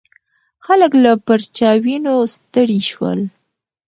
خلک له پرچاوینو ستړي شول.